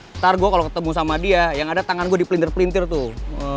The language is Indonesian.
ntar gue kalo ketemu sama dia yang ada tangan gue di pelintir pelintir tuh